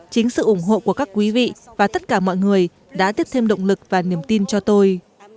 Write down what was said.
chính sự ủng hộ của các quý vị và tất cả mọi người đã tiếp thêm động lực và niềm tin cho tôi